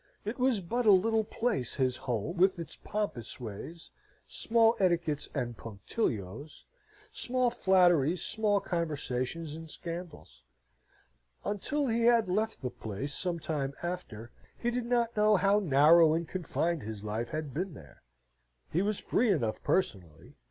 It was but a little place, his home, with its pompous ways, small etiquettes and punctilios, small flatteries, small conversations and scandals. Until he had left the place, some time after, he did not know how narrow and confined his life had been there. He was free enough personally.